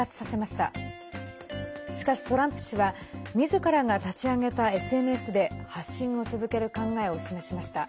しかしトランプ氏はみずからが立ち上げたＳＮＳで発信を続ける考えを示しました。